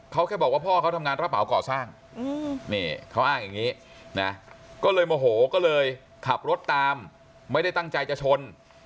เขาแค่บอกว่าพ่อเขาทำงานรับเหมาก่อสร้างนี่เขาอ้างอย่างนี้นะก็เลยโมโหก็เลยขับรถตามไม่ได้ตั้งใจจะชน